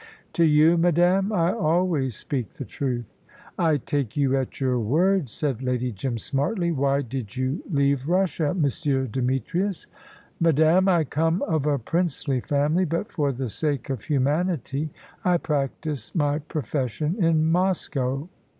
"To you, madame, I always speak the truth." "I take you at your word," said Lady Jim, smartly. "Why did you leave Russia, Monsieur Demetrius?" "Madame, I come of a princely family, but for the sake of humanity I practised my profession in Moscow.